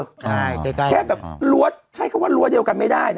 แค่แบบล้วนใช่ก็ว่าล้วนเดียวกันไม่ได้